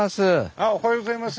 あおはようございます。